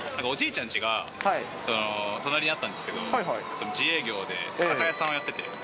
おじいちゃんちが隣だったんですけど、自営業で酒屋さんをやってて。